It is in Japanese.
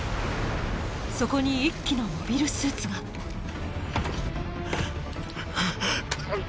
そこに１機のモビルスーツがはっ！